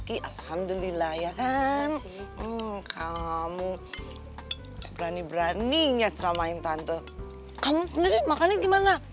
kamu sendiri makannya gimana